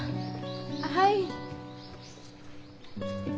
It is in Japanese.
はい。